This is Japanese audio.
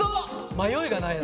迷いがないな。